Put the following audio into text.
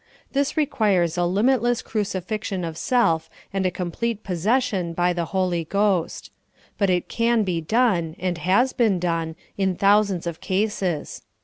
This re quires a limitless crucifixion of self and a complete possession by the Holy Ghost. But it can be done, and has been done, in thousands of cases.